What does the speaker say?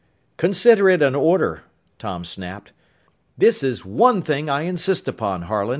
"Consider it an order!" Tom snapped. "This is one thing I insist upon, Harlan.